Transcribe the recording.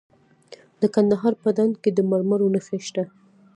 د کندهار په ډنډ کې د مرمرو نښې شته.